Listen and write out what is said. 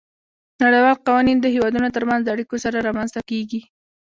نړیوال قوانین د هیوادونو ترمنځ د اړیکو سره رامنځته کیږي